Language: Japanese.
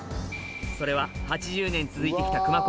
それは８０年続いてきた熊高